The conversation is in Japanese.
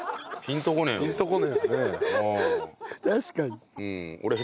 確かに。